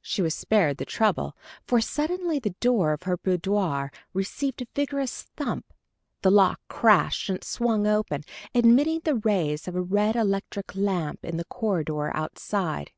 She was spared the trouble, for suddenly the door of her boudoir received a vigorous thump. The lock crashed and it swung open, admitting the rays of a red electric lamp in the corridor outside.